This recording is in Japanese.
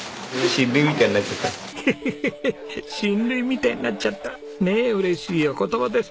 ヘヘヘヘッ「親類みたいになっちゃった」ねえ嬉しいお言葉です。